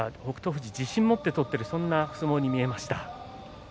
富士は自信を持って取っているそんな相撲に見えました。